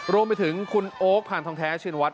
รวมไปถึงเราคือคุณโอ๊กพาลทองแทชินวช